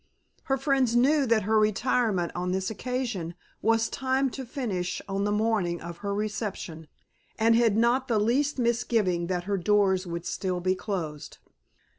Her friends knew that her retirement on this occasion was timed to finish on the morning of her reception and had not the least misgiving that her doors would still be closed.